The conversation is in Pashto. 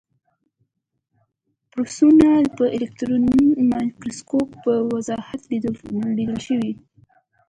ویروسونه په الکترون مایکروسکوپ په وضاحت لیدلی شو.